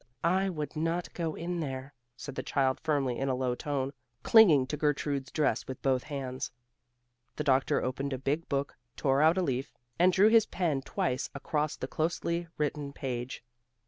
"I would not go there," said the child firmly in a low tone, clinging to Gertrude's dress with both hands. The doctor opened a big book, tore out a leaf, and drew his pen twice across the closely written page.